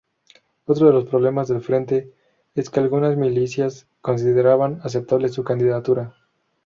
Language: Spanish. Otro de los problemas del frente es que algunas milicias consideran aceptable su candidatura.